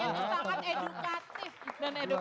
pendekatannya itu sangat edukatif